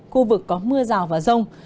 khu vực có mưa rào và rông